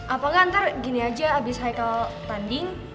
apakah ntar gini aja abis haikal tanding